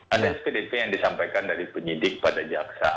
ada spdp yang disampaikan dari penyidik pada jaksa